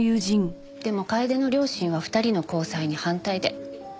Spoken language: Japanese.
でも楓の両親は２人の交際に反対で。